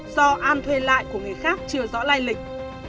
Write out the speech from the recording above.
do an thuê lại của người khác chưa rõ lai lịch